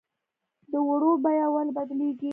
د اوړو بیه ولې بدلیږي؟